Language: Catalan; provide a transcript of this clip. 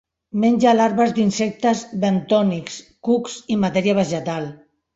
Menja larves d'insectes bentònics, cucs i matèria vegetal.